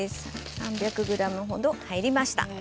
３００ｇほど入れました。